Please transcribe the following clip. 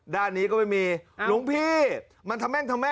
ด้านนี้ก็ไม่มีหลวงพี่มันทำแม่งทำแม่